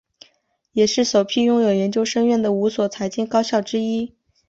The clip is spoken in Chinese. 也是首批拥有研究生院的五所财经高校之一。